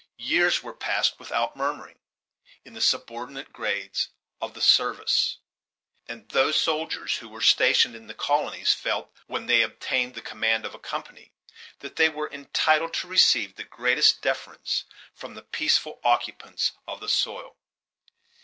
Years were passed without murmuring, in the sub ordinate grades of the service; and those soldiers who were stationed in the colonies felt, when they obtained the command of a company, that they were entitled to receive the greatest deference from the peaceful occupants of the soil.